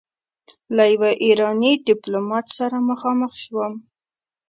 له يوه ايراني ډيپلومات سره مخامخ شوم.